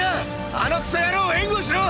あのクソヤロウを援護しろ！！